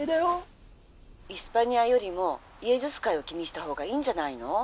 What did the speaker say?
「イスパニアよりもイエズス会を気にしたほうがいいんじゃないの？